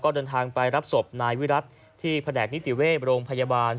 เดินทางไปรับศพนายวิรัติที่แผนกนิติเวศโรงพยาบาล